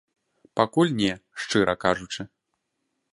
Пакуль не, шчыра кажучы.